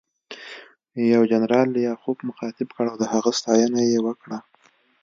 یو جنرال لیاخوف مخاطب کړ او د هغه ستاینه یې وکړه